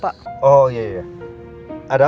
nih kondisinya naik